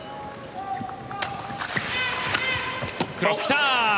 クロス、来た！